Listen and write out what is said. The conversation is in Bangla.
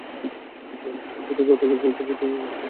যে কি না মাদকের বিরুদ্ধে বিদ্রোহ ঘোষণা করেছে।